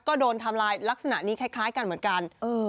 ก็โดนทำลายลักษณะนี้คล้ายกันเหมือนกัน